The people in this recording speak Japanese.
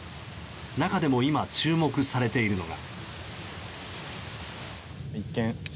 中でも今、注目されているのが。